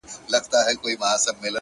سیاه پوسي ده. برباد دی.